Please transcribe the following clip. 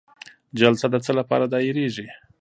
جلسه د څه لپاره دایریږي؟